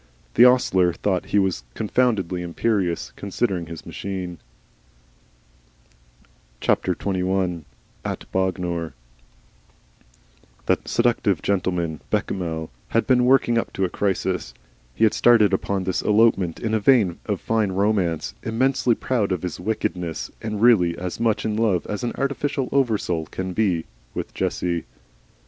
The ostler thought he was confoundedly imperious, considering his machine. XXI. AT BOGNOR That seductive gentleman, Bechamel, had been working up to a crisis. He had started upon this elopement in a vein of fine romance, immensely proud of his wickedness, and really as much in love as an artificial oversoul can be, with Jessie.